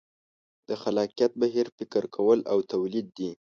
د خلاقیت بهیر فکر کول او تولید دي.